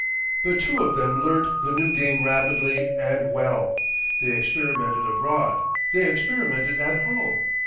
The two of them learnt the new game rapidly and well; they experimented abroad, they experimented at home.